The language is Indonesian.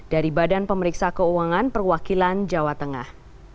dari badan pemeriksa keuangan perwakilan jawa tengah